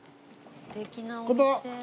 こんばんは。